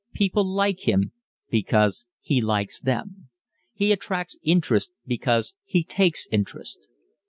People like him because he likes them. He attracts interest because he takes interest.